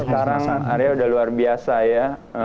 sekarang area udah luar biasa ya